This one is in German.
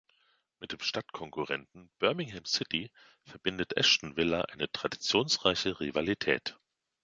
Mit dem Stadtkonkurrenten Birmingham City verbindet Aston Villa eine traditionsreiche Rivalität.